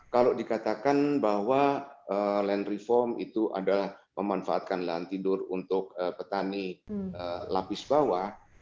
kalau dikatakan bahwa land reform itu adalah memanfaatkan lahan tidur untuk petani lapis bawah